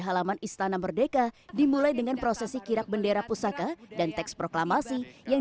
halaman istana merdeka dimulai dengan prosesi kirap bendera pusaka dan teks proklamasi yang